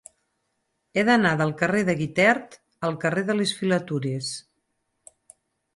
He d'anar del carrer de Guitert al carrer de les Filatures.